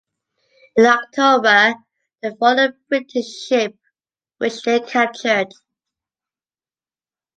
In October, they followed a British ship which they captured.